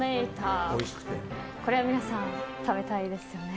これは皆さん食べたいですよね。